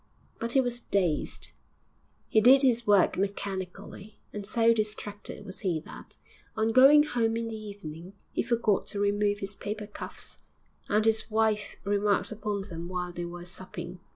But he was dazed; he did his work mechanically, and so distracted was he that, on going home in the evening, he forgot to remove his paper cuffs, and his wife remarked upon them while they were supping.